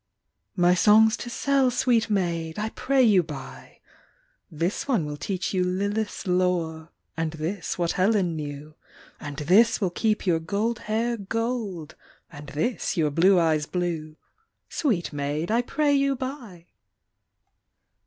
My songs to sell, sweet maid! I pray you buy. This one will teach you Lilith s lore, And this what Helen knew, And this will keep your gold hair gold, And this your blue eyes blue; Sweet maid, I pray you buy